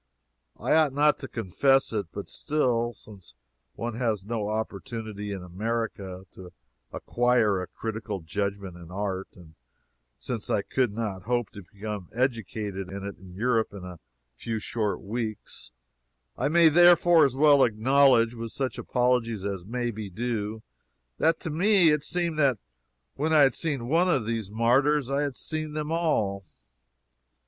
I ought not to confess it, but still, since one has no opportunity in America to acquire a critical judgment in art, and since I could not hope to become educated in it in Europe in a few short weeks, I may therefore as well acknowledge with such apologies as may be due, that to me it seemed that when I had seen one of these martyrs I had seen them all.